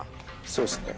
そうですね。